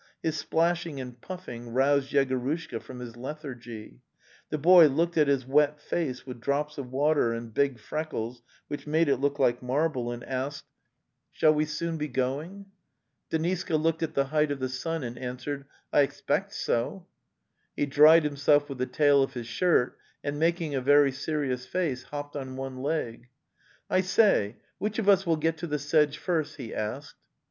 His splashing and puffing roused Yego rushka from his lethargy. The boy looked at his wet face with drops of water and big freckles which made it look like marble, and asked: 182 The Tales of Chekhov '* Shall we soon be going?" Deniska looked at the height of the sun and an swered: i wiexpect so: | He dried himself with the tail of his shirt and, making a very serious face, hopped on one leg. '""T say, which of us will get to the sedge first? "' he said.